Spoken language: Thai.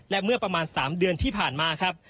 และเมื่อประมาณ๓เดือนที่ผ่านมาครับ